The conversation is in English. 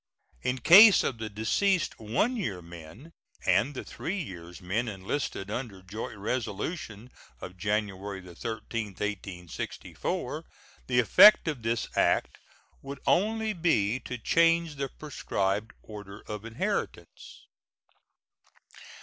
In case of the deceased one year men, and the three years men enlisted under joint resolution of January 13, 1864, the effect of this act would only be to change the prescribed order of inheritance.